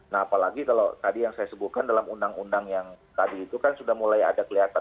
nah apalagi kalau tadi yang saya sebutkan dalam undang undang yang tadi itu kan sudah mulai ada kelihatan